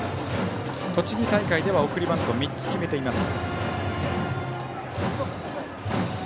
静岡大会では送りバント３つを決めています。